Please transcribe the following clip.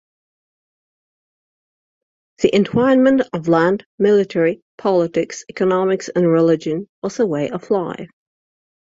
The entwinement of land, military, politics, economics and religion was a way of life.